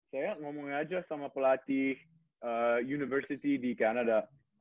saya ngomongin aja sama pelatih university di canada